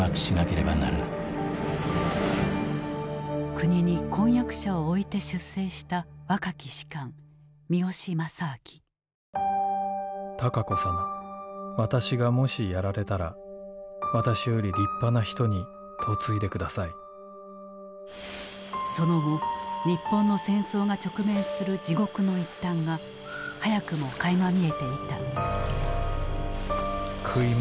国に婚約者を置いて出征した若き士官その後日本の戦争が直面する地獄の一端が早くもかいま見えていた。